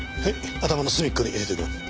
頭の隅っこに入れておきます。